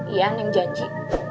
iya neng janji